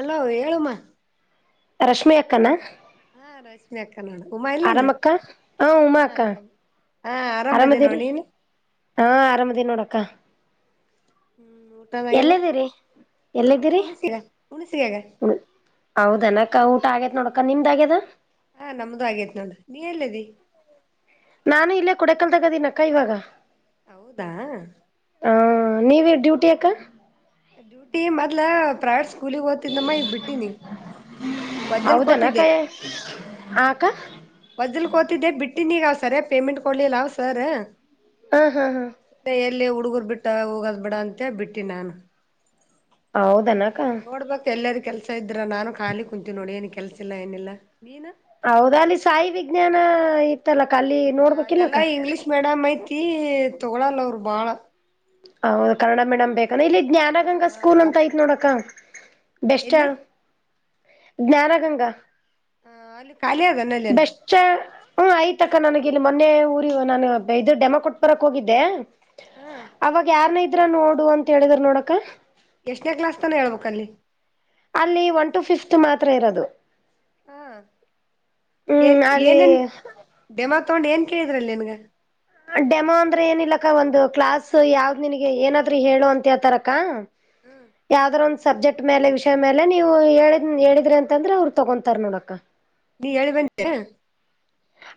Hello ಹೇಳಮ್ಮ ರಶ್ಮಿ ಅಕ್ಕನಾ ಹಾ, ರಶ್ಮಿ ಅಕ್ಕ ನೋಡ ಉಮಾ ಎಲ್ಲಿನ ಆರಾಮಾಗಿದ್ದೀರಾ ಅಕ್ಕ ಹೂ ಹಾ ಅಕ್ಕ ಆರಾಮ್ ಹಾ ಆರಾಮದಿ ನೋಡ್ ಅರಾಮದಿರಿ ನೀನು ಹಾ ಅರಾಮದೀನ ನೋಡಕ್ಕ ಊಟ ಮಾಡಿದ್ವಿ ಎಲ್ಲಿದ್ದೀರಿ ಎಲ್ಲಿದ್ದೀರಿ ಹೌದಕ್ಕ ಊಟ ಆಗಿದೆ ಅಕ್ಕ ನಿಮ್ದು ಆಗಿದ್ಯಾ ಹಾ ನಮ್ದು ಆಗೇತ್ ನೋಡ ನೀ ಎಲ್ಲಿದ್ದಿ ನಾನು ಇಲ್ಲೇ ಕೊಡೆ ಕೆನಲ್ ಆಗಿದೀನಿ ಇವಾಗ ಹೌದಾ ಹಾ ನೀವ ಡ್ಯೂಟಿ ಅಕ್ಕ ಡ್ಯೂಟಿ ಮೊದಲು ಪ್ರವೇಟ್ ಸ್ಕೂಲ್ ನಾಗ ಹೋಗ್ತಾ ಇದೆ ಇವಾಗ ಬಿಟ್ಟಿದ್ದೀನಿ ಪಕ್ಕದಲ್ಲೇ ಹೌದನಕ್ಕ ಕೂತಿದ್ದೆ ಅಕ್ಕ ಪೇಮೆಂಟ್ ಕೊಡ್ಲಿಲ್ವಾ ಸರ್ ಹಾ ಹಾ ಹಾ ಹುಡುಗರನ ಬಿಟ್ಟು ಹೋಗಬಾರದು ಅಂತ ಬಿಟ್ಟಿದೀನಿ ಹೌದು ನೋಡಬೇಕು ಕೆಲಸ ಎಲ್ಲರ ಖಾಲಿ ಇದ್ಯಾ ಅಂತ ನಾನು ಸುಮ್ನೆ ಕಾಲಿ ಕೂತಿದೀನಿ ನೋಡಬೇಕು ಎಲ್ಲಿ ಸಿಗುತ್ತೆ ಕೆಲಸ ಅಂತ ಹೌದ ಅಲ್ಲಿ ಸಾಯಿ ವಿಜ್ಞಾನ ಇತ್ತಲಕ್ಕ ಅಲ್ಲಿ ನೋಡ್ಬೇಕಕ್ಿಲ್ಲಕ್ಕ ಣ ಮೈತಿ ತೊಗೊಳಲ್ಲ ಅವರು ಬಾಳ ಹೌದು ಕನ್ನಡ ಮೀಡಿಯ್ ಬೇಕಂದ್ರೆ ಇಲ್ಲಿ ಹಾ ಜ್ಞಾನಗಂಗಾ ಹಾ ಸ್ಕೂಲ್ ಕ ಅಂತ ಆಯತ್ ನೋಡಕ್ಕ ಬೆಸ್ಾ ಎಲ್ಲಿ ಜ್ಞಾನ ಗಂಗಾ ಹ ಅಲ್ಲಿ ಖಾಲಿ ಆಗಣ ಅಲ್ಲಿ ಹ್ಮ್ ಆಯ್ತಕ್ಕ ನನಗ ಇಲ್ಲಿ ಮೊನ್ನೆ ಊರಿ ನಾನು ಇದು ಡೆಮ ಕೊಟ್ಪುರಕ್ ಹೋಗಿದ್ದೆ ಹ ಅವಾಗ ಯಾರ್ನ ಇದ್ರ ನೋಡು ಅಂತ ಹೇಳಿದ್ರ ನೋಡಕ ಎಷ್ಟನೇ ಕ್ಲಾಸ್ ತಾನ ಹೇಳ್ಬೇಕಲ್ಲಿ ಅಷ್ಟು ಮಾತ್ರ ಇರೋದು ಹಾ ಹ್ಮ್ ಅಲ್ಲಿ ಏನನ್ ಡೆಮಾಕ್ ತೊಗೊಂಡು ಏನ್ ಕೇಳಿದ್ರಲ್ಲಿ ನಿನ್ಗ ಡೆಮೋ ಅಂದ್ರೆ ಏನಿಲ್ಲಕ್ಕ ಒಂದು ಕ್ಲಾಸ್ ಯಾವ್ದ್ ನಿನಗೆ ಏನಾದ್ರೂ ಹೇಳುವ ಅಂತ ಹಳ್ತಾರಕ್ಕ ಯಾವದ್ರ ಒಂದ್ ಸಬ್ಜೆಕ್ಟ್ ಮೇಲೆ ವಿಷಯ ಮೇಲೆ ನೀವು ಹೇಳ ಹೇಳಿದ್ರಿ ಅಂತಂದ್ರೆ ಅವ್ರರು ತಗೊಂತಾರ್ ನೋಡಕ್ಕ ನೀ ಹೇಳಿ ಬಂದೇ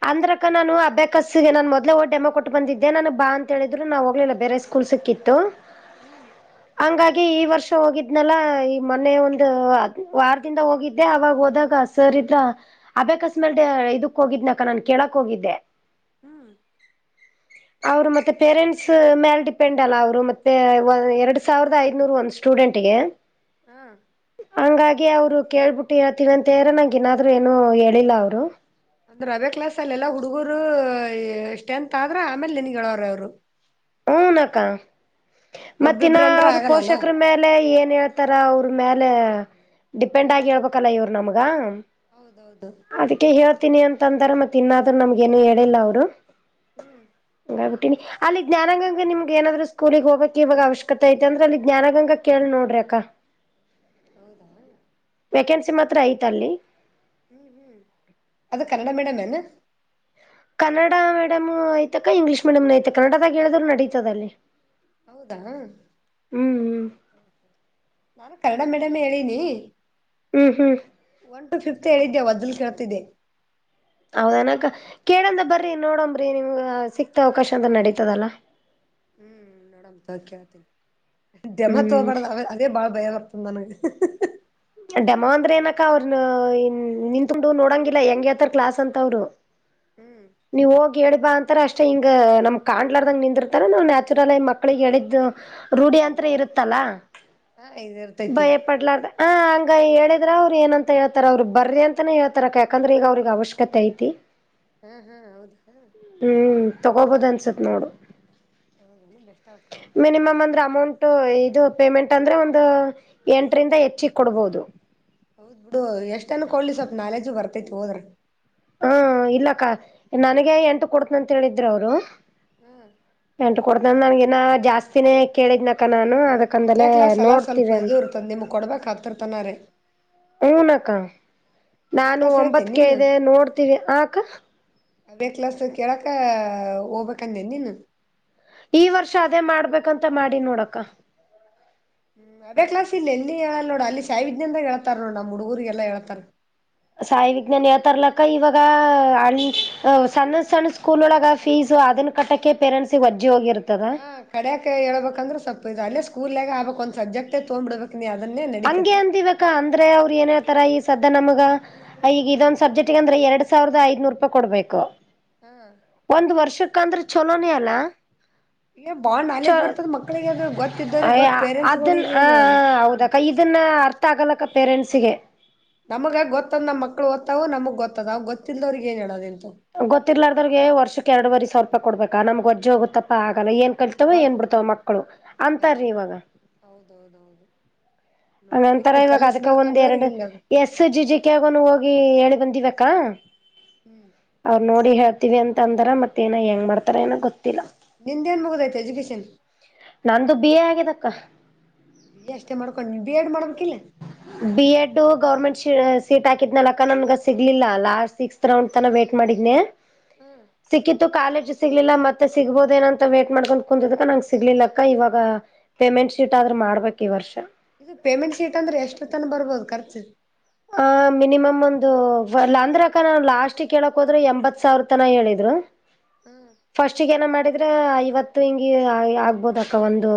ಹ ಅಂದ್ರಕ್ಕ ನಾನು ಅ ಬೇಕಸ್ಸಿಗೆ ನಾನ ಮೊದೇ ಹಓ ಡೆಮ ಕೊಟ್ಟ ಬಿದ್ದೆ ನು ಬಾ ಅಂತಿದ್ರು ನಾವು ಹೋಗಲಿಲ್ಲ ಬೇರೆ ಸ್ಕೂಲ್ ಸಿಕ್ ಕಿತ್ತು ಹ್ಮ್ ಹಂಗಾಗಿ ಈ ವರ್ಷ ಹೋಗಿದ್ನಲ್ಲ ಈ ಮೊನೆೆ ಒಂದು ವಾರದಿಂದ ಹೋಗಿದ್ದೆ ಅವಾಗ ಹೋದಾಗ ಸರ್ ಇದ್ರ ಅ ಬೇಕಸ್ಮೇಲ್ ಹೋಗಿದ್ನಕ ನಾನನ್ ಕೇಳಕ್ ಹೋಗಿದ್ದೆ ಹ್ಮ್ ಅವರು ಮತ್ತೆ ಪೇರೆಂಟ್ಸ್ ಮೇಲೆ ಡಿಪೆಂಡ್ ಅಲ್ಲ ಅವ್ರು ಮತ್ತೆ ಎರಡ್ ಸಾವಿರದ ಐದ್ನೂರು ಒಂದ್ ಸ್ಟು ಡಂಟಿಗೆ ಹ ಹಂಗಾಗಿ ಅವ್ರು ಕೇಳ್ಬಿಟ್ಟು ಇರತವ ಅಂತ ಹೇಳ್ರ ನಂಗಗೆ ಏನಾದ್ರು ಏನು ಹೇಳಿಲ್ಲ ಅವ್ರು ಅಂದ್ರ ರವೆ ಕ್ಲಾಸ್ ಅಲ್ಲ ಎಲ್ಲಾ ಹುಡುಗರುಷ್ಟೆ ಎಂತ ಆದ್ರ ಆಮೇಲೆ ನನ್ಗೆವ್ರ ಅವ್ರು ಹಊನ ಅಕ್ಕ ಮತ್ತಿನ ಒಬ್ಬಿಬ್ರ ಅಂದ್ರ ಅವ್ರ ಆಗಲ್ಲಲ್ಲ ಪೋಷಕರ ಮೇಲೆ ಏನ್ ಹೇಳ್ತಾರ ಅವರು ಇ್ರ ಮೇಲೆ ಡಿಪೆಂಡ್ ಹ್ಮ್ ಆಗಿ ಹೇಳ್ಬೇಕಲ್ಲ ಇವ್ರು ನಮ್ಗ ಹೌದೌದು ಅದಕ್ಕೆ ಹೇಳ್ತೀನಿ ಅಂತಂದ್ರ ಮತ್ತತ್ ಇನ್ನಾದ್ರರು ನಮ್ಗೇನು ಹೇಳಿಲ್ಲ ಅವರು ಹ್ಮ್ ಹಂಗಬುಟ್ಟೀಿನಿ ಅಲ್ಲಿ ಜ್ಞಾನಗಂಗ ನಿಮಗೆ ಏನಾದ್ರು ಸ್ಕೂಲಗ್ ಹೋಗಕ್ ಇವಾಗ ಅವಶ್ಯಕತೆ ಐತೆ ಅಂದ್ರೆ ಅಲ್ಲಿ ಜ್ಞಾನಂಗ ಕೇಳಿ ನೋಡ್ರಿ ಅಕಾ ಹೌದಾ ಹತ್ರ ಐತ ಅಲ್ಲಿ ಹ್ಮ್ ಹ್ಮ್ ಅದು ಕನ್ನಡ ಮೇಡಮ್ ಏನ ಕನ್ನಡ ಮೀಡಿಯಮು ಐ್ತಕ್ಕ ಇಂಗ್ಲಷ ಮೀಡಿಯಮ್ನ ಐತೆತ ಕನ್ನಡದಾಗ ಹೇಳಿದ್ರು ನಡೀತದಲ್ಲಿ ಹೌದಾ ನ ಕನ್ನಡ ಮೇಡಮ್ ಹೇಳಿನಿ ಹ್ಮ್ ಹ್ಮ್ ಒನ್ ಟು ಫಿಫ್ತ್ ಹೇಳಿದ್ದೆ ವದಲು ಕೇಳ್ತಿದ್ದಿದೆ ಹೌದನಕ ಕೇಳಂದ ಬರ್ರಿ ನೋಡಂಬ್ರಿ ನಿಮ್ಗ ಸಿಕ್ತ ಅವಕಾಶ ಅಂತ ನಡತದಲ್ಲ ಹ್ಮ್ ನೋಡ ಕೇಳ್ತೀನಿ ದಮ್ಮತ್ ಹ್ಮ್ ತಗ ಅದೇ ಬಾಳ ಭಯವತ ತಂದನಗೆ ಡಮಾ ಅಂದ್ರೆ ಏನಕ ಅವ್ರನ ನಿನ್ಂತುಂಡು ನೋಡಂಗಿಲ್ಲ ಹೆಂಗ ಯತಾರ ಕ್ಲಾಸ್ ಅಂತ ಅವ್ರು ಹ್ಮ್ ಹೇಳಿಬಾ ಅಂತರ ಅಷ್ಟೆ ಹಿಂಗ ನಮ್ ಕಾಣ್ಲಾರದಂಗ ನಿಂದಿರ್ತಾರೆ ನಾವವು ನ್ಯಾಚುರಲ್ ಆಗ ಮಕ್ಳಿಗೆಗೆ ಹೇಳಿದ್ದು ರೂಢಿ ಹ್ಮ್ ಅಂತ ಇರುತ್ತಲ್ಲ ಹಾ ಇದ ಇರ್ತೈತಿ ಭಯ ಪಡ್ಲಾರ ಹ ಹಂಗ ಹೇಳಿದ್ರ ಅವ್ರರು ಏನಂತ ಹೇಳ್ತಾರ ಅವ್ರರು ಬರ್ರಿ ಅಂತಾನೇ ಹೇಳ್ತಾರ ಯಾಕಂದ್ರೆ ಈಗ ಅವ್ರಿಗೆ ಅವಶ್ಯಕತೆ ಐತಿ ಹಾ ಹಾ ಹೌದಾ ಹ್ಮ್ ತಗೋಬೋದನ್ಸತ್ ನೋಡು ಹೌದೇನು ಬೆಸ್ಟ್ ಅಳಕ ಮಿನಿಮಮ್ ಅಂದ್ರಮೋನ್ ಇದು ಪೇಮೆಂಟ್ ಅಂದ್ರೆ ಒಂದು ಎಂಟರಿಂದ ಹೆಚ್ಚಿಗೆ ಕೊಡ್ಬಹುದು ಹೌದ್ ಬಿಡು ಎಷ್ಟ ಅನ್ ಕೊಡ್ಲಿ ಸ್ವಲ್ಪ ನಾಲೇಜು ಬರ್ತೈತಿ ಹೋದ್ರ ಹ್ಮ ಇಲ್ಲಕ್ಕ ನನಗ ಎಂಟು ಕೊಡ್ತನಂತ ಹೇಳಿದ್ರರು ಅವ್ರು ಹ್ಮ್ ನ ನನ್ಗ ನ ಜಾಸ್ತಿನೇ ಕೇಳಿದ್ನಕ ನಾನು ಅದಕ್ಕಂದಲೆ ಅ್ಯಾಕ್ಲಾ ಸಲ ನೋಡ್ತೀವಿ ಸ್ವಲ್ಪ ಅಂದ್ರು ಎದುರುತಂದ ನಿಮ್ಗೆ ಕೊಡ್ಬೇಕಕ್ಾಗಗ್ತಿರ್ತಾನಾರೆ ಹಊನ ಅಕ್ಕ ನಾನು ಕ್ಲಾಸ್ ಹೇಳ್ತೇನ್ ಒಂಬತ್ ಕೆ ಇದೆ ನೋಡ್ತೀವಿ ಅಕ ಬ ಕ್ಲಸ್ ಕೇಳಕ ಹೋಗ್ಬೇಕಂದೇ ನೀನು ಈ ವರ್ಷ ಅದೇ ಮಾಡ್ಬೇಕಂತ ಮಾಡಿ ನೋಡಕ್ಕ ಹ್ಮ್ ಅದೇ ಕ್ಲಸ್ ಇ ಎಲ್ಲಿ ಹೇಳಲ್ ನೋಡ ಅಲ್ಲಿ ಸಿಿದ್ಞ ಅಂದ ಹೇಳ್ತಾರ ನೋಡ ನಮ್ಮ ಹುಡುಗೂರಿಗೆಲ್ಲಾ ಹೇಳ್ತಾರ ಸಾಯಿ ವಿಜ್ಞಾನನ್ ಯತರ್ಲಕ್ಕ ಇವಾಗ ಅ ಸಣ್ಣ ಸಣ್ಣ ಸ್ಕೂಲ್ ಒಳಗ ಫೀಸ್ ಅದನ್ನ ಕಟ್ಟಕ್ಕೆ ಪೇರೆಟ್ಸ್ಗಜ್ಜ ಹೋಗಿರುತ್ತೆ ಹಾ ಕಡ್ಯಾಕ ಹೇಳ್ಬೇಕಂದ್ರೆ ಸ್ವಪ ಇದು ಅಲ್ಲೇ ಸ್ಕೂಲ್ಾಗ ಆಬಬೇಕಕ್ ಒಂತ ಹಂಗೆ ಅಂತಬೇಕ ಅಂದ್ರೆ ಅವ್ರ ಏನ ತರ ಈಗ ಸದ ನಮಗ ಈಗ ಇದೊಂದ್ ಸಬ್ಜೆಕ್ಟ್ಗ ಅಂದ್ರೆ ಎರಡ್ ಸಾವಿರದ ಐದ್ನೂರ್ ರೂಪಾಯಿ ಕೊಡ್ಬೇಕು ಹಾ ಒಂದ್ ವರ್ಷಕ್ಕಂದ್ರೆ ಚಲೋನೇ ಅಲ್ಲ ಬಾಳ ಚ ನಾಲೆಜ್ ಬರ್ತದ ಮಕ್ಳಿಗೆ ಅ ಗೊತ್ತ ಇದೋ್ರ ಗೊತ್ ಪೇರೆಂಟ್ಸ್ ಅದನ್ನ ಹ ಹೌದಕ್ಕ ಇದನ್ನ ಅರ್ಥ ಆಗಲ್ಲಕ್ಕ ಪೇರೆಂಟ್ಸಗೆ ನಮಗ ಗೊತ್ತದ್ ನಮ್ಮ ಮಕ್ಳು ದತ್ತತವು ನಮಗ್ ಗೊತ್ತದ್ವು ಗೊತ್ತಿಲ್ಲಲ್ದ್ರಗ್ ಏನು ಹೇಳೋದ ಎಂತ ಗೊತ್ತಿಿಲ್ಲಾರದ್ರಗ್ಗೆ ವರ್ಷಕ್ಕೆ ಎರಡ್ುವರೆ ಸಾವಿರೂಪ ಕೊಡ್ಬೇಕಾ ನಮ್ಗೆೊಜ ಹೋಗುತ್ತಪ್ಪಾ ಆಗಲ್ಲ ಏನ್ ವ ಕಲ್ತವ ಏನ್ ಬಿಿಡ್ತಾವ ಮಕ್ಕಳು ಅಂತಾರಿ ಅಯ್ಯೋ ಇವಾಗ ಹೌದೌದೌದು ನೋಡವ ಹಂತರ ಇಷ್ಟು ಇವಾಗ ಅದಕ ಕಲಸ್ಬೇಕ್ ಒಂದ್ ಅಂದವ್ರಿಗ್ ಎರಡು ಹಿಂಗದ ಎಸ್ ಜಿಜಿಕಗ ಹೋಗಿ ಹೇಳಿ ಬಂತ ದಿವಕ್ಕಾ ಹ್ಮ್ ನಡಿ ಹೇಳ್ತೀವಿ ಅಂತ ಅಂದರ ಮತ್ತ ಏನ ಹೆಂಗ್ ಮಾಡ್ತಾರಏನೋ ಗೊತ್ತಿಲ್ಲ ನಿಂಡಿಯನ್ ಬಗುದಾಯತ ಎಜ್ಯುಕೇಶನ್ ನಂದುು ಬಿಿಯ ಆಗಿದಕ್ಕ ಬಿ ಅಷ್ಟೇ ಮಾಡ್ಕೊಂಡು ನೀ ಬಿ ಎಏಡ್ ಮಾಡಬ. B Ed government. ಸೀಟ್ ಹಾಕಿದ್ನ ಅಕ್ಕ ನನ್ಗೆ ಸಿಗ್ಲಿಲ್ಲ ಲಾಸ್ಟ್ ಸಿಕ್ಸ್ತ್ ರೌಂಡ್ ತನ ವೇಟ್ ಮಾಡಿದ್ನನೆ. ಹ್ಮ್ ಸಿಕ್ಕಿತ್ತು ಕಾಲ. ಸಿಗ್ಲಿಲ್ಲ ಮತ್ತೆ ಸಿಗ್ಬೋದ ಏನಂತ ವೇಟ್ ಮಾಡ್ಕೊಂಡು ಕುಂದದಕ ನಂಗೆ ಸಿಗ್ಲಿಲ್ಲಕ್ಕ ಇವಾಗ. ಪೇಮೆಂಟ್ ಶೀಟ್ ಆದ್ರೂ ಮಾಡ್ಬೇಕ ಈ ವರ್ಷ. ತ ಬರ್ಬೋದು ಖರ್ಚು. ಆ ಮಿನಿಮಮ್ ಒಂದು ಅಂದ್ರಕ್ಕ ನಾ ಲಾಸ್ಟ್ ಕೇಳಕ್ ಹೋದ್ರೆ ಎಂಬತ್ ಸಾವಿರ ತನ ಹೇಳಿದ. ಹ್ಮ್ [inaudible] ಫಸ್ಟ್ಗ ಏನ ಮಾಡಿದ್ರ ಐವತ್ತು ಹಿಂಗಿ ಆಗ್ಬೋದ ಅಕ್ಕ ಒಂದು.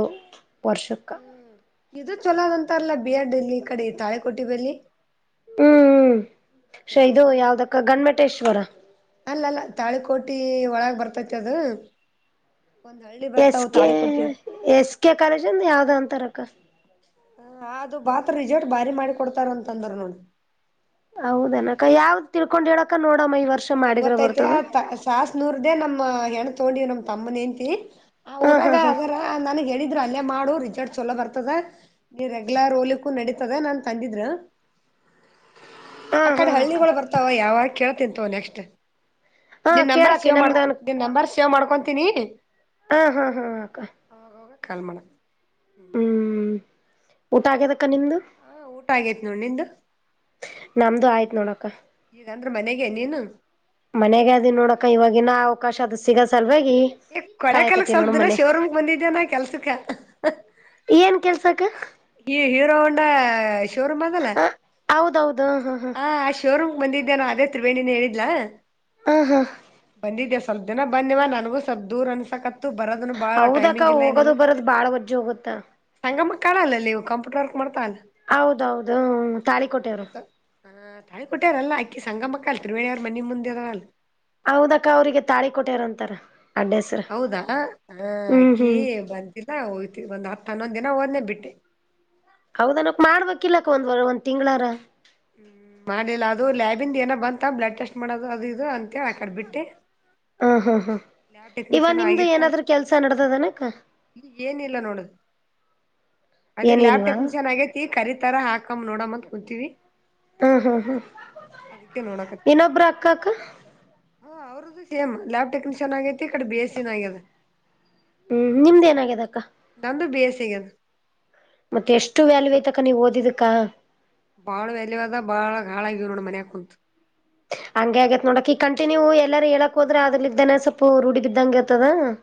ವರ್ಷುಕ್ಕ. ಹ್ಮ್ ಇದು ಚಲೋದ್ ಅಂತಾರಲ್ಲ ಬಿಎಡ್ ಈ ಕಡೆ ತಾಳೆಕೋಟಿ ದಲ್ಲಿ. ಹ್ಮ್ ಹ್ಮ್ ಶ ಇದು ಯಾವ್ದಕ್ಕ ಗನ್ಮಟೇಶ್ವರ. ಅಲ್ಲ ಅಲ್ಲ ತಾಳಿಕೋಟಿ ಒಳಗ ಬರ್ತೈತಿ ಅದು. ಒಂದ್ ಹಳ್ಳಿ ಎಸ್ ಬರ್ತಾವ K Talikoti S K college ಅಂದ ಯಾವ್ದ ಅಂತರಕ್ಕ. ಹ ಅದು ಬಾತ್ರ ರಿಸರ್ಲ್ಟ್ ಭಾರಿ ಮಾಡಿ ಕೊಡ್ತಾರ ಅಂತಂದ್ರ ನೋಡಿ. ಹೌದನಕ ಯಾವ್ದ್ ತಿಳ್ಕೊಂಡ್ ಹೇಳಕ ನೋಡ. ಅಯ್ಯ ಗೊತ್ತೈತ ಸಾಸ ನೂರ್ದೇ ನಮ್ಮ ಹೆಣ್ಣ ತಗೊಂಡಿವ್ ನಮ್ ತಮ್ಮನ ಹೆಂಡ್ತಿ. ಆ ಹಾ ಹಾ ಊರಾಗ ಹಾ ಅಗರ ನನ್ಗ್ ಹೇಳಿದ್ರು. ಅಲ್ಲೇ ಮಾಡು ರಿಚರ್ಡ್ ಚೊಲೋ ಬರ್ತದೆ ನೀ ರೆಗ್ಯುಲರ್ ಹೋಲಿಕ್ಕೂ ನಡೀತದೆ ನನ್ ತಂದಿದ್ರು. ಹ [inaudible] ಆ ಕಡೆ ಹಳ್ಳಿಗಳು ಬರ್ತಾವ ಯಾವಾಗ ಕೇಳ್ತಿಂತವ ನೆಕ್ಸ್ಟ್. ಹಾ ನಿನ್ ನಂಬರ್ ಕೇಳಾಕಿ ಸೇವ್ ಮಾಡ್ ನಮ್ದನ್ ನಿ ನಂಬರ್ ಸೇವ್ ಮಾಡ್ಕೊಂತನಿ. ಹಾ ಹಾ ಹಾ ಅಕ್ಕ. ಕಾಲ್ ಮಾಡ. ಉಟಾಕದ. ಹ ಊಟ ಆಗೇತ್ ನೋಡ್ ನಿಂದು. ನಮ್ದು ಆಯ್ತ್ ನೋಡಕ್ಕ. ಈಗಂದ್ರ ಮನೆಗೆ ನೀನು ಮನೆಗೆ ಅದ ನೋಡಕ ಇವಾಗಿನ ಅವಕಾಶ ಅದು ಸಿಗಸಲ್ವ. ಏ ಕೊಡ ಕಾಲಕ್ ಸ್ವಲ್ಪ ದಿನ ಶೋರೂಮ್ಕ್ ಬಂದಿದ್ದೇ ನಾ ಕೆಲ್ಸಕ್ಕ. ಸಾಕ. ಈ ಹೀರೋ ಉಂಡ ಶೋರೂಮ್ ಅದಲ್ಲ ಹಾ ಹಾ ಹಾ ಆ ಆ ಶೋರೂಮ್ ಬಂದಿದ್ದ್ಯಾ ನ ಅದೇ ತ್ರಿವೇಣ ಹೇಳಿದಿಲ್ಲ ಹ ಹಾ ಬಂದಿದ್ಯಾ. ಸ್ವಲ್ ದಿನ ಬಂದಿವ ನನಗೂ ಸ್ಲ್ಪ ದೂರ ಅನ್ಸಕತ್ತೆ. ಬರದನು ಬಾಳ ಹೌದಕ್ಕ ಟೈಮಿಂಗ್ ಇಲ್ಲ ಹೋಗೋದು ನಿಲ್ಲ ಬರೋದು ಬಾಳ ವಜ್ಜಿ ಹೋಗುತ್ತ ಸಂಗಮ್ಮ. ಕಾಣಲ್ಲ ನೀವು ಕಂಪ್ಯೂಟರ್ಕ್ ಮಾಡ್ತಾಲ್ಲ. ಹೌದೌದು ತಾಳಿಕೋಟೆಯವರು. ಸ ಹ ತಾಯಿ ಕೊಟ್ಟ್ಯಾರಲ್ಲ ಅಕ್ಕಿ ಸಂಗಮಕ್ಕ ಅ ತಿರಿವೇಳಿ ಅವ್ರ ಮನೆ ಮುಂದೆರಲ್ಲ. ಹೌದಕ್ಕ ಅವ್ರಿಗೆ ತಾಳಿ ಕೊಟೇರಂತಾರ. ಹೌದಾ ಹ ಅಕಿ ಹ್ಮ್ ಬಂತ. ನ ಹೋಗಯ್ತಿವಿ ಒಂದ ಹನ್ನೊಂದ್ ದಿನ ಹೋದ್ನೆೇ ಬಿಟ್ಟೆ. ಹೌದನಕ್ ಮಾಡ್ಬೇಕಕ್ ಇಲ್ಲಾಕ್ಕ ಒಂದ್ವ ಒಂದ್ ತಿಂಗ್ಗಳಾರ. ಹ್ಮ್ ಮಾಡಿಲ್ಲ ಅದು ಲ್ಯಾಬಿಂದು ಏನ ಬಂತ ಬ್ಲಡ್ ಟೆಸ್ಟ್ ಮಾಡೋದು ಅದು ಇದು ಅಂತ ಹೇಳ ಕಡ್ಬಿಟ್ಟಿ. ಹ ಹಾ ಹಾ ಲ್ಯಾಬ್ ಟೆಕ್ನಿ ಇವ ಚನ ನಿಮ್ದು ಆಗಿತ್ತ ಏನಾದ್ರೂ ಕೆಲ್ಸ ನಡ್ದದನಕ್ಕ ಈಗ ಏನಿಲ್ಲ ನೋಡುದು. ಅದೇ ಲ್ಯಾಬ್ ಏನಿಲ್ವಾ ಟೆಕ್ನಿಷಿಯನ್ ಆಗೇತಿ ಕರಿತರ ಹಾಕಮ ನೋಡ ಅಂತ ಕುೂಂತೀವಿ. ಹ್ಮ ಹ್ಮ್ ಹ್ಮ್ ಇನ್ನೊಬ್ಬ್ರ ಅಕ್ಕ ಅಕ್ಕ. ಹ ಅವ್ರದ್ದು ಸೇಮ್ ಲ್ಯಾಬ್ ಟೆಕ್ನಿಷಿಯನ್ ಆಗೈತಿ ಈ ಕಡೆ ಬಿ ಎಸ್ಸ ಆಗ್ಯದ. ಹ್ಮ್ ನಿಮ್ದ್ ಏನ ಆಗಿದೆ ಅಕ್ಕ. ನಂದು ಬಿ ಎಸ್ ಸಿ ಅಗೆದ. ಮತ್ತೆ ಎಷ್ಟು ವ್ಯಾಲ್ಯೂ ಐ್ತಕ ನೀವ್ ಓದಿದಕ್ಕಾ. ಬಾಳ ವ್ಯಾಲೂ ಅದ ಬಾಳ ಗಾಳ ಆಗೇವ್ ನೋಡ ಮನ್ಯಾಕ ಕುಂತ. ಹಂಗೆ ಆಗೇತ್ ನೋಡಕ್ ಈ ಕಂಟಿನ್ಯೂ ಎಲ್ಲಾರೂ ಹ್ಮ್ ಹೇಳಕ್ದ್ರೆ ಅದಲಿಂದನ ಸ್ವಲ್. ರೂಢಿ ಬಿದ್ದಂಗ ಇರ್ತದ ಆತದ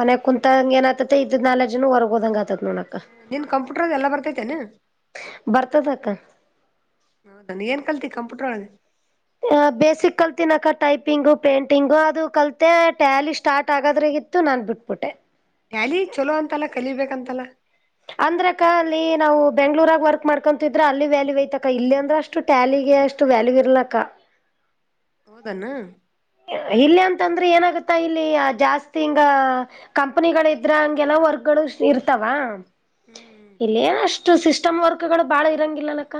ಮನೆ ಕುಂತಂಗ ಏನ. ತ್ತ ಇದ್ದ ಕ್ನೌಲೆಜ್ ಜನ ಹೊರ್ ಹೋ ಹಂಗ ಆತ. ಹ ನಿಂಗ ಕಂಪ್ಯೂಟರ್ದ ಎಲ್ಲ ಬರ್ತೈತೇನೆ. ಬರ್ತದಕ್ಕ ಹೌದನ್ ಏನ್ ಕಲ್ತಿ ಕಂಪ್ಯೂಟರ್ ಒಳಗೆ. ಬೇಸಿಕ್ ಕಲ್ತಿನಕ್ಕ ಟೈಪಿಂಗು ಪೇಂಟಿಂಗು ಅದು ಕಲ್ತೆ ಟ್ಯಾಲಿ ಸ್ಟಾರ್ಟ್ ಆಗದ್ರ. ಇತ್ತು ನಾನ್ ಬಿಟ್ಬಿಟ್ಟೆ. ಟ್ಯಾಲಿ ಚೊಲೋ ಅಂತಲ್ಲ ಕಲಿಬೇಕಂತಲ್ಲ. ಅಂದ್ರಕ್ಕ ಅಲ್ಲಿ ನಾವು ಬೆಂಗಳೂರುದಾಗ್ ವರ್ಕ್ ಮಾಡ್ಕೊಂತಿದ್ರ ಅಲ್ಲಿ ವ್ಯಾಲಯ ಐತ. ತಕ್ಕ ಇಲ್ಲ ಅಂದ್ರೆ ಹ್ಮ್ ಅಷ್ಟು ಟ್ಯಾಲಿಗೆ ಅಷ್ಟು ವ್ಯಾಲ್ಯೂ ಇರ್ಲಕ್ಕ. ಹೌದೆನ್. ಇಲ್ಲಿ ಅಂತಂದ್ರೆ ಏನಾಗುತ್ತ ಇಲ್ಲಿ ಜಾಸ್ತಿ ಹಿಂಗ ಕಂಪನಿಗಳ ಇದ್ರ ಹಂಗೆಲ್ಲ. ವರ್ಗ್ಗಳು ಇರ್ತಾವ. ಹ್ಮ್ ಇಲ್ಲ ಏನ ಅಷ್ಟು ಸಿಸ್ಟಮ್ ವರ್ಕ್ ಗಳು ಬಾಳ ಇರಂಗಿಲ್ಲಕ್ಕ.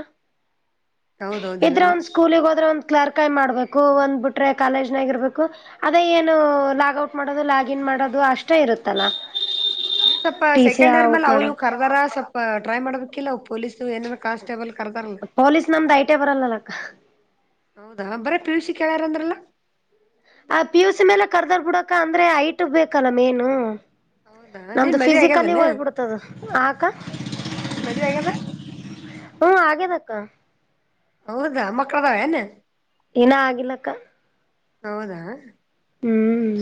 ಇದ್ರೆ ಹೌದೌದಿರಲ್ಲ ಒಂದ್ ಸ್ಕೂಲಗ್ ಹೋದ್ರೆ ಒಂದ್ ಕ್ಲರ್ಕೈ ಆಗಿ ಮಾಡ್ಬೇಕು ಒಂದ್ ಬಿಟ್ರೆ. ಕಾಲೇಜ್ನಾಗ ಇರ್ಬೇಕು ಅದೇ ಏನು ಲಾಗ್ಔಟ್ ಮಾಡೋದು ಲಾಗಿನ್ ಮಾಡೋದು ಅಷ್ಟೇ ಇರುತ್ತಲ್ಲ. ನೀವು ಸ್ವಲ್ಪ ಟಿ ಸಿ ಸೆಕೆಂಡ್ ಇಯರ್ ಮೇಲೆ ಔಟ್ ಅವ್ಇವ ಮಾಡೋದು ಕರ್ದಾರ ಸ್ವಲ್ಪ ಟ್ರೈ ಮಾಡ್ಬೇಕಿಲ್ಲವು ಪೊಲೀಸ ಏನರೆ ಕಾನ್ಸ್ಟೇಬಲ್. ಕರದಾಳ ಪೊಲೀಸ್ ನಮ್ದ್ ಐಟೇ ಬರಲ್ಲಕ್ಕ ಹೌದಾ ಬರೇ ಪಿ ಯು ಸಿ. ಕೇಳ್ಯಾರ್ ಅಂದ್ರ ಅಲ್ಲಾ. ಆ ಪಿ ಯುಸಿ ಮೇಲೆ ಕರ್ದರ್ ಬಿಡಕ ಅಂದ್ರೆ ಹೈಟ್ ಬೇಕಲ್ಲ ಮೇನು. ಹೌದಾ ನಿನ್ ನಮ್ದು ಮದ್ವೆ ಫಿಸಿಕಲಿ ಆಗ್ಯದನ ಹೋಗ್ಬಿಡ್ತದ ಆ ಆಕಾ. ನಿನ್ ಮದ್ವೆ ಆಗ್ಯದ ಹ್ಮ ಆಗೆದ ಅಕ್ಕಾ. ಹೌದಾ ಮಕ್ಕಳ ಅದಾವ ಏನ್. ಇನ ಆಗಿಲ್ಲಕ್ಕ. ಹೌದಾ. ಹ್ಮ್.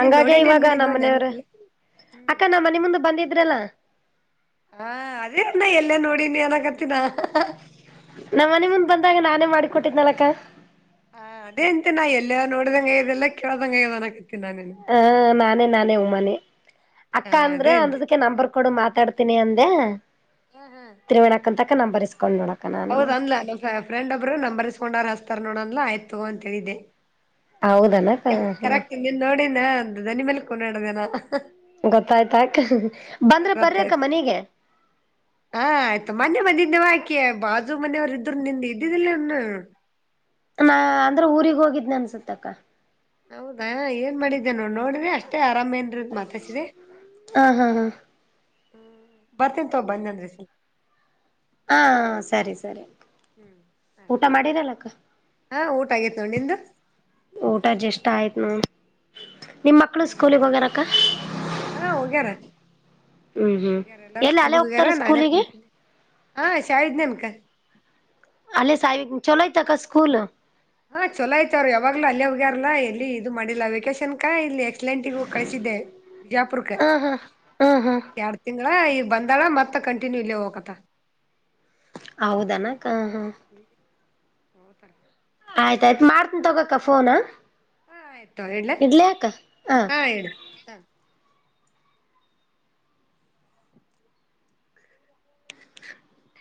ನೀನ್ ನೋಡಿನ್ ಏನ್ ಇವಾಗ ನಮ್ಮ್ ಮಾಡಿಲ್ವಾ ಮನೆಯವ್ರ ನೆನಪಿ ಹ್ಮ್ ಅಕ್ಕ ನಮ್ಮ್ ಮನೆ ಮುಂದೆ ಬಂದಿದ್ರಲ್ಲ. ಹಾ ಅದೇತ್ನ ಎಲ್ಲೇ ನೋಡ ನೀ ಏನಕತಿನ ನಾ. ನಮ್ಮ ಮನೆ ಮುಂದ್ ಬಂದಾಗ ನಾನೇ ಮಾಡಿ ಕೊಟ್ಟಿದ್ನಲಕ್ಕ. ಹ ಅದೇ ಅಂತ ನಾ ಎಲ್ಲ ನೋಡಿದಂಗಯದೆಲ್ಲ ಕೇಳ್ದಂಗಯದ ಅನಕತಿನಿ ನನಾ ನಿಂಗ್. ಹ ನಾನೇ ನಾನೇ ಉಮ್ಮಾನಿ ಅಕ್ಕ ಅಂದ್ರ ಅದೇ ಅಂತೆ ಅಂದದಕ್ಕೆ ನಂಬರ್ ಕೊಡು ಮಾತಾಡ್ತೀನಿ ಅಂದೆ. ಹಾ ಹಾ ತ್ರಿವೇಣಿ ಅಕ್ಕನ್ಹಂತಕೆ ನಾ ಬರಿಸಸ್ಕೊಂಡ್ ನೋಡಕ. ಹೌದ ಅಂದಲ ನಿಮ ಫ್ರೆಂಡ್ ಒಬ್ರು ನಂಬರ್ಸ್ಕೊಂಡ್ ಹಸ್ತಾರ ನೋಡಂದಲ ಆಯ್ತು ಅಂತ ಹೇಳಿದ್ದೆ. ಹೌದನಕ್ಕ ಇಲ್ಲ ಹ್ಮ ಕರೆಕ್ಟ್ ನೀನ್ ನೋಡಿನಂದ ದನಿ ಮೇಲೆ ಕೊಂಡಾಡದೇನಾ. ಗೊತ್ತಾಯ್ತ ಆಕ ಬಂದ್ರೆ ಬರಕ್ಕ ಗೊತ್ತಾಯ್ತು ಮನಗೆ. ಹಾ ಆಯ್ತು ಮೊನ್ನೆ ಬಂದಿದ್ದೆವುಾಕಿ. ಅಕೆ ಬಾಜು ಮನೆಯವ್ರು ಇದರು ನಿಂದ ಇದ್ದಿದ್ದಿಲ್ಲನ್ನು ನಾ ಅಂದ್ರೆ ಊರಿಗೆ ಹೋಗಿದ್ನ ಅನ್ಸತ್ತಕ್ಕ ನಾ. ಹೌದಾ ಏನ್ ಮಾಡಿದ್ದೇ ನೋ ನೋಡ್ರಿ ಅಷ್ಟೇ ಆರಾಮೇ ನ್ರ ಮಾತಸಿದೆ. ಹಾ ಹಾ ಹಾ. ಹ್ಮ್ ಬರ್ತನ್ ತ ಬಂದಂದ್ರ. ಹಾ ಸರಿ ಸರಿ. ಹ್ಮ್ ಊಟ ಆಯ್ತು ಮಾಡಿರಲ್ಲಕ್ಕ ಹ ಊಟ ಆಗಿತ್ ನೋ ನಿಂದು. ಊಟ ಜಷ್ಟ ಆಯ್ತ್ನು. ನಿಮ್ ಮಕ್ಳು ಹ್ಮ್ ಸ್ಕೂಲಿಗೆ ಹೋಗ್ಯಾರಕ್ಕ. ಆಯ್ತಾಯ್ತು ಹ್ಮ್ ಹ್ಮ್ ಹೋಗ್ಯಾರ್ ಎಲ್ಲ ಎಲ್ಲಿ ಸ್ಕೂಲ್ ಅಲ್ಲೇ ಹೋಗ್ಯಾರ್ ಹೋಗ್ತಾರ ನಾನೇ ಸ್ಕೂಲಿಗೆ ಕುನೆ ಹಾ ಶಾ ಇದ್ನ ಅನ್ಕ. ಅಲ್ಲೇ ಸಾಲಿಗೂ ಚಲೋಯ್ತಕ್ಕ ಸ್ಕೂಲ್. ಹಾ ಚಲೋ ಆಯತ ಅವ್ರು ಯಾವಾಗಲೂ ಅಲ್ಲೆ ಹೋಗ್ಯಾರಲ್ಲಾ ಎಲ್ಲಿ ಇದು ಮಾಡಿಲ್ಲಾ ವೇಕೇಶನ್ಕ ಇಲ್ಲಿ. ಅಟ್ಲಂಟಿಗು ಕಳಸಿದ್ದೆ ಬಿಜಾಪುರಕ್ಕೆ ಹ ಹಾ ಹ ಹಾ ಎರಡ್ ತಿಂ ಈಗ ಬಂದಾಳ ಮತ್ತ ಕಂಟಿನ್ಯೂ ಇಲ್ಲೇ ಹೋಗತ್ತ. ಹೌದನಾಕ್ಕ ಹಾ. [unintelligible] ಆಯ್ತಾಯ್ತ್ ಮಾಡ್ತಿನ್ ತೊಗೋಕ ಫೋನಾ. ಹಾ ಆಯ್ತು ಹೇಳ ಹ ಅಕ್ಕ ಹಾ ಹೇಳು ಹ [unintelligible]